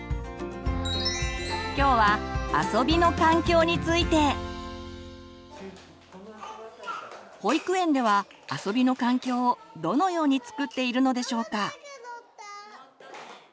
今日は保育園では遊びの環境をどのように作っているのでしょうか。